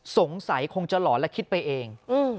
สงสัยคงจะหลอนและคิดไปเอง